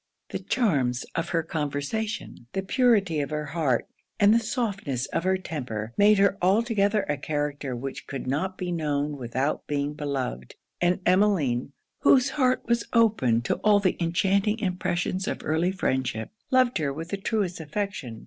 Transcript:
The charms of her conversation, the purity of her heart, and the softness of her temper, made her altogether a character which could not be known without being beloved; and Emmeline, whose heart was open to all the enchanting impressions of early friendship, loved her with the truest affection.